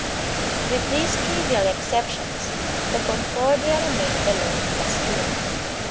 With these trivial exceptions the Concordia remained the law in Castile.